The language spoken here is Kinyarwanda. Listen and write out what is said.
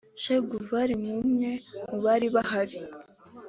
Che Guevara nk’umwe mu bari bahari